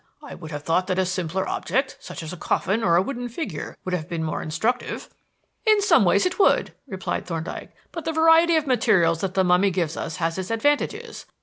I should have thought that a simpler object, such as a coffin or a wooden figure, would have been more instructive." "In some ways it would," replied Thorndyke, "but the variety of materials that the mummy gives us has its advantages.